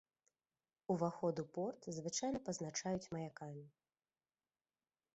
Уваход у порт звычайна пазначаюць маякамі.